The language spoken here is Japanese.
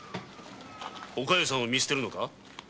お加代さんを見捨てるのか？